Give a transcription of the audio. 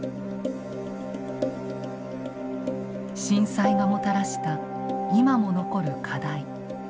震災がもたらした今も残る課題。